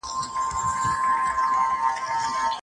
زه اوس په خپل موبایل کې د لوبې پایله ګورم.